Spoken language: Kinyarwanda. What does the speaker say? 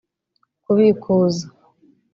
kubikuza